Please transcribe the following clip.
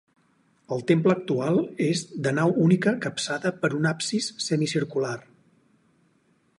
El temple actual és de nau única capçada per un absis semicircular.